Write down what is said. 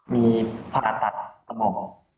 มีผ่าตัดสมอง